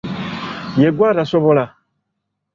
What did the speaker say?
Yegwe atasobola!